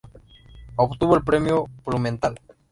Obtuvo el Premio Blumenthal.